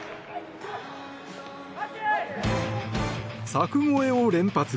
柵越えを連発。